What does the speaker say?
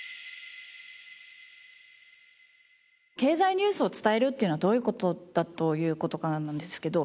経済ニュースを伝えるっていうのはどういう事だという事かなんですけど。